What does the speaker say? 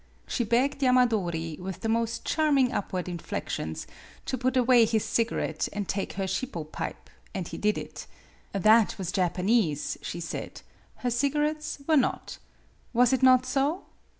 She begged Yamadori, with the most charming upward inflections, to put away his cigarette and take her shippo pipe, and he did it. That was Japanese, she said, her cigarettes were not. Was it not so